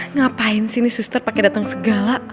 ngapain sih ini suster pakai datang segala